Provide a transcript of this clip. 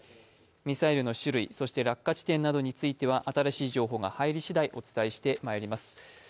ミサイルの種類、そして落下地点などについては新しい情報が入りしだい、お伝えしてまいります。